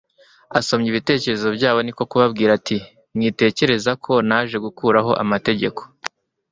Asomye ibitekerezo byabo niko kubabwira ati: «Mwitekereza ko naje gukuraho amategeko